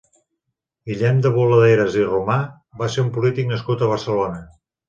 Guillem de Boladeres i Romà va ser un polític nascut a Barcelona.